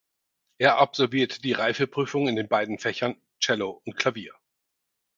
Er absolvierte die Reifeprüfung in den beiden Fächern Cello und Klavier.